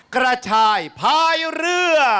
กระชายพายเรือ